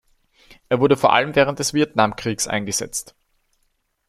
Er wurde vor allem während des Vietnamkriegs eingesetzt.